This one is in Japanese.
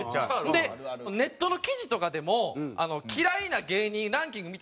でネットの記事とかでも「嫌いな芸人ランキング」みたいな。